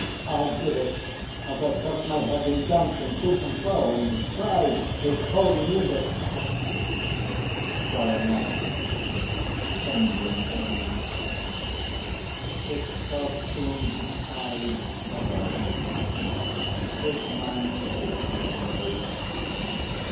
I did it, as I tossed My head in dancing, to and fro, and cried His holy music! DIONYSUS (tending him). It shall soon be tied Aright. 'Tis mine to tend thee.